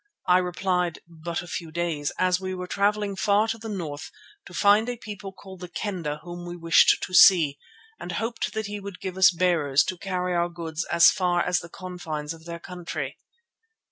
I replied, but a few days, as we were travelling far to the north to find a people called the Kendah whom we wished to see, and hoped that he would give us bearers to carry our goods as far as the confines of their country.